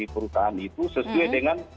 perusahaan itu sesuai dengan